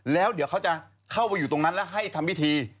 แล้วเดี๋ยวเขาจะเข้าไปอยู่ตรงนั้นแล้วให้ทำพิธี